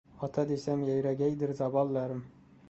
Ota desam yayragaydir zabonlarim